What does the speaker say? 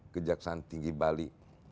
kejaksan tinggi bali